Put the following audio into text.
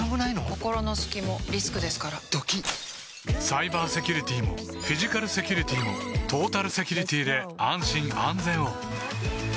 心の隙もリスクですからドキッサイバーセキュリティもフィジカルセキュリティもトータルセキュリティで安心・安全を